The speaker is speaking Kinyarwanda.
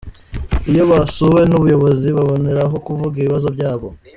Iyo basuwe n’ubuyobozi baboneraho kuvuga ibibazo byabo.